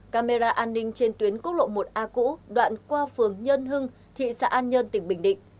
camera an ninh trên tuyến quốc lộ một a cũ đoạn qua phường nhân hưng thị xã an nhơn tỉnh bình định